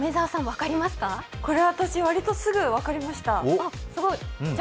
わりとすぐ分かりました。